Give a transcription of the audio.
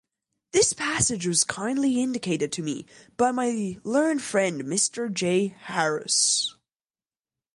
This passage was kindly indicated to me by my learned friend Mr. J. Harris.